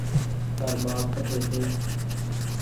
تآر ٻآپ ڪٺي ڇي